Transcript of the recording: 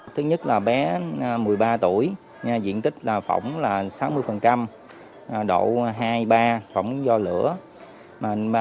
thứ nhất là bé một mươi ba tuổi diện tích phỏng là sáu mươi độ hai ba phỏng do lửa